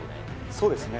そうですね